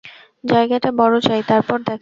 জায়গাটা বড় চাই, তারপর দেখা যাবে।